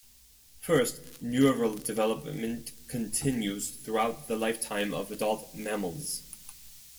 First, neural development continues throughout the lifetime of adult mammals.